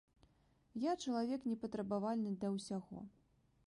Я чалавек непатрабавальны да ўсяго.